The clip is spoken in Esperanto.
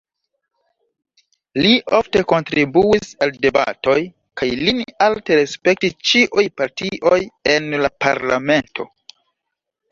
Li ofte kontribuis al debatoj, kaj lin alte respektis ĉiuj partioj en la parlamento.